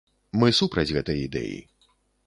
Мы супраць гэтай ідэі.